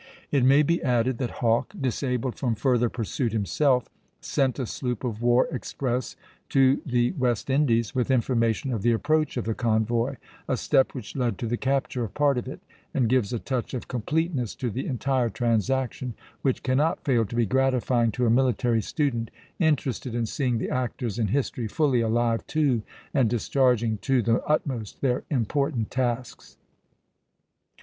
It may be added that Hawke, disabled from further pursuit himself, sent a sloop of war express to the West Indies, with information of the approach of the convoy, a step which led to the capture of part of it, and gives a touch of completeness to the entire transaction, which cannot fail to be gratifying to a military student interested in seeing the actors in history fully alive to and discharging to the utmost their important tasks.